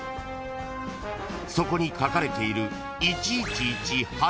［そこに書かれている］